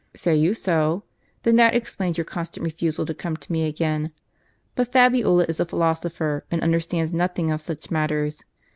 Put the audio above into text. " Say you so ? Then that explains your constant refusal to come to me again. But Fabiola is a philosopher, and understands nothing of such matters.